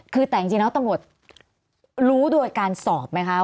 คือแต่จริงแล้วตำรวจรู้โดยการสอบไหมคะ